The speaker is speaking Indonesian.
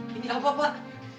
wah ini apa pak